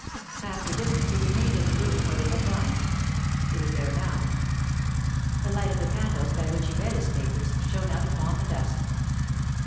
After dinner he remained in the room where they had dined. He was there now. The light of the candles, by which he read his papers, shone out upon the dusk.